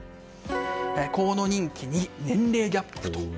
河野人気に年齢ギャップ。